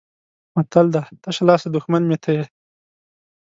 متل دی: تشه لاسه دښمن مې ته یې.